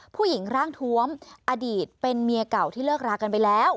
ผู้หญิงร่างทวมอดีตเป็นเมียเก่าที่เลิกรากันไปแล้ว